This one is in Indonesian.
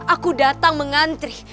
aku datang mengantri